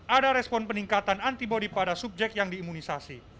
ada respon peningkatan antibody pada subjek yang diimunisasi